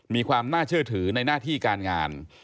มีความน่าเชื่อถือในหน้าที่การงาน